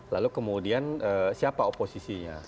lalu kemudian siapa oposisinya